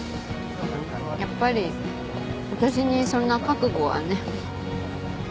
やっぱり私にそんな覚悟はね。